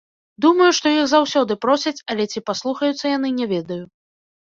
Думаю, што іх заўсёды просяць, але ці паслухаюцца яны, не ведаю.